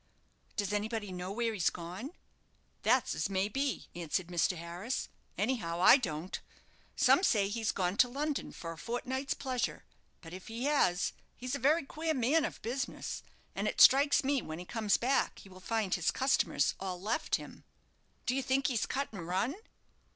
"Does anybody know where he's gone?" "That's as may be," answered Mr. Harris. "Anyhow, I don't. Some say he's gone to London for a fortnight's pleasure; but if he has, he's a very queer man of business; and it strikes me, when he comes back he will find his customers all left him." "Do you think he's cut and run?"